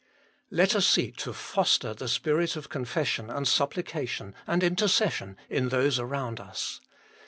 Let us seek to foster the spirit of confession and supplication and intercession in those around us.